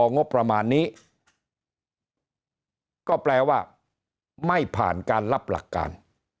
งบประมาณนี้ก็แปลว่าไม่ผ่านการรับหลักการ